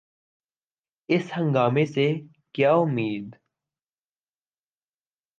اس ہنگامے سے کیا امید؟